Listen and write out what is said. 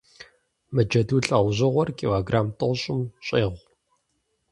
Мы джэду лӏэужьыгъуэр киллограмм тӀощӀым щӀегъу.